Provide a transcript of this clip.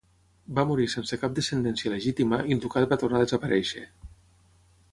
Va morir sense cap descendència legítima i el ducat va tornar a desaparèixer.